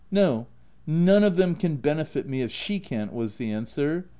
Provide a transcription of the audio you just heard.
" No ; none of them can benefit me if she can't," was the answer.